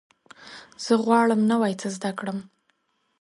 زه غواړم نوی څه زده کړم.